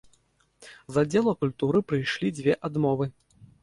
З аддзела культуры прыйшлі дзве адмовы.